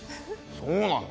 そうなの？